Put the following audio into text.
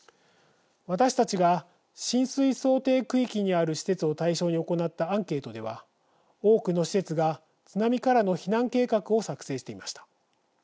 私たちが浸水想定区域にある施設を対象に行ったアンケートでは多くの施設が、津波からの避難計画を作成していました。